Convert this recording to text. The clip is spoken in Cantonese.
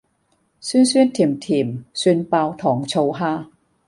酸酸甜甜蒜爆糖醋蝦